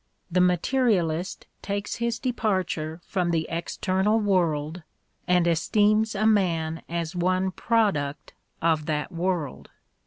The materialist takes his depar ture from the external world and esteems a man as one product of that world.